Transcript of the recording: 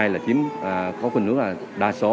là chiếm khó khăn nước là đa số